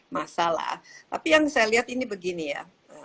masalah tapi yang saya lihat ini begini ya